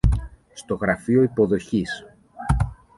στο γραφείο υποδοχής